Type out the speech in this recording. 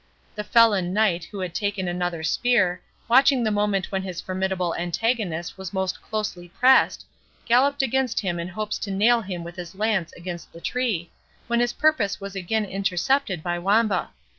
The felon knight, who had taken another spear, watching the moment when his formidable antagonist was most closely pressed, galloped against him in hopes to nail him with his lance against the tree, when his purpose was again intercepted by Wamba.